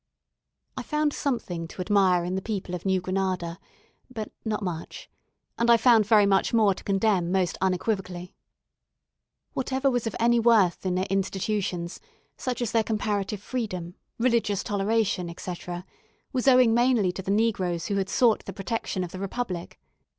I found something to admire in the people of New Granada, but not much; and I found very much more to condemn most unequivocally. Whatever was of any worth in their institutions, such as their comparative freedom, religious toleration, etc., was owing mainly to the negroes who had sought the protection of the republic.